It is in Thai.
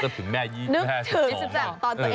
นึกถึงตอนตัวเองเป็นเด็กไงสนุกสนา